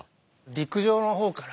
陸上の方から。